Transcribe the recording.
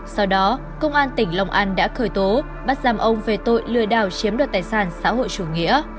sau đó công an tỉnh lòng an đã khởi tố bắt giam ông về tội lừa đảo chiếm đoạt tài sản xã hội chủ nghĩa